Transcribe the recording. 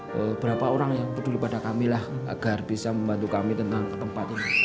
beberapa orang yang peduli pada kami lah agar bisa membantu kami tentang tempat ini